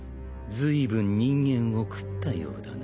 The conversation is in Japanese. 随分人間を喰ったようだな。